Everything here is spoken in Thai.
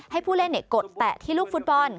ให้ผู้เล่นกดแตะที่ลูกฟุตบอล